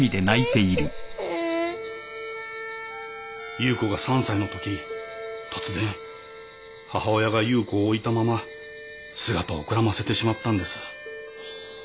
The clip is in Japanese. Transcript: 夕子が３歳のとき突然母親が夕子を置いたまま姿をくらませてしまったんです。